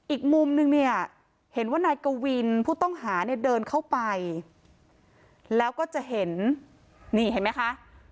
อีกมุมนึงเนี่ยเห็นว่านายกวินผู้ต้องหาเนี่ยเดินเข้าไปแล้วก็จะเห็นนี่เห็นไหมคะ